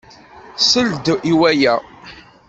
Sel-d i waya!